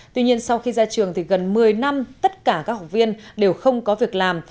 tuy nhiên sau khi ra trường thì gần một mươi năm tất cả các học viên đều không có việc làm